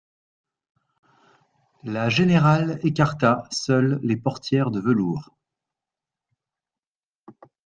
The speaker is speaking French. La générale écarta, seule, les portières de velours.